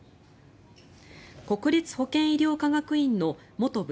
国立保健医療科学院の元部